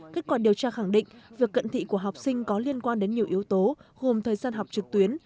kết quả điều tra khẳng định việc cận thị của học sinh có liên quan đến nhiều yếu tố gồm thời gian học trực tuyến